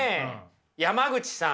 山口さん